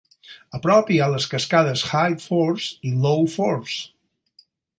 A prop hi ha les cascades High Force i Low Force.